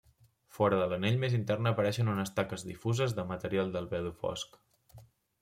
Fora de l'anell més intern apareixen unes taques difuses de material d'albedo fosc.